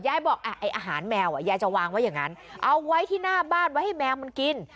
ยายบอกไอ้อาหารแมวยายจะวางไว้อย่างนั้นเอาไว้ที่หน้าบ้านไว้ให้แมวมันกิน